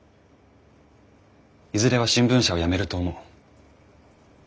いずれは新聞社を辞めると思う。